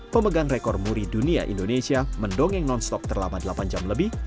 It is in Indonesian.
pemegang rekor muri dunia indonesia mendongeng non stop terlama delapan jam lebih